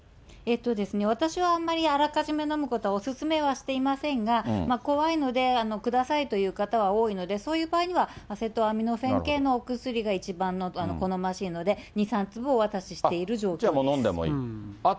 私はあんまりあらかじめ飲むことはお勧めはしていませんが、怖いので下さいという方は多いので、そういう場合には、アセトアミノフェン系のお薬が一番好ましいので、２、飲んでもいいと。